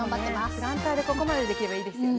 プランターでここまでできるのいいですよね。